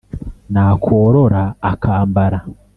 Nakorora akambara